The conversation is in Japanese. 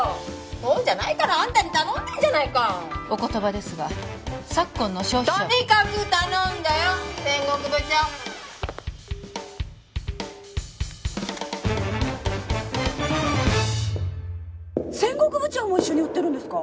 そうじゃないからアンタに頼んでんじゃないかお言葉ですが昨今の消費とにかく頼んだよ戦国部長戦国部長も一緒に売ってるんですか？